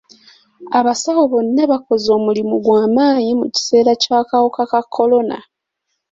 Abasawo bonna bakoze omulimu gw'amaanyi mu kiseera ky'akawuka ka kolona.